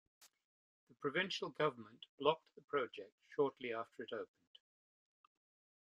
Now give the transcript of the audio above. The provincial government blocked the project shortly after it opened.